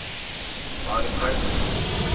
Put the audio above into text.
Harikaydınız.